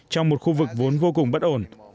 trong một khu vực vốn vô cùng bất ổn